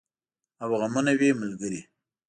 او غمونه وي ملګري